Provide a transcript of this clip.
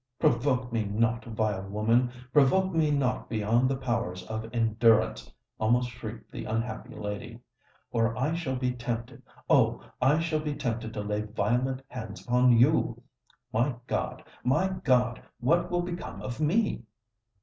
"Provoke me not, vile woman—provoke me not beyond the powers of endurance!" almost shrieked the unhappy lady; "or I shall be tempted—oh! I shall be tempted to lay violent hands upon you. My God—my God! what will become of me?"